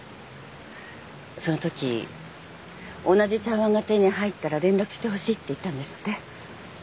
そのとき「同じ茶わんが手に入ったら連絡してほしい」って言ったんですって？